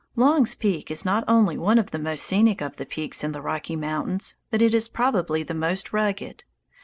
Long's Peak is not only one of the most scenic of the peaks in the Rocky Mountains, but it is probably the most rugged.